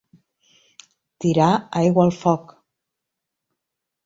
Tirar aigua al foc.